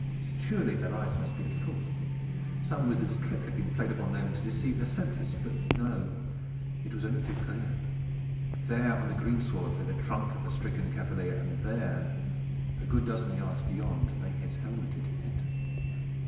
Surely their eyes must be at fault? Some wizard's trick has been played upon them to deceive their senses. But no, it was only too clear. There on the greensward lay the trunk of the stricken cavalier, and there, a good dozen yards beyond, lay his helmeted head.